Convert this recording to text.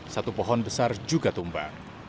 satu pohon besar juga tumbang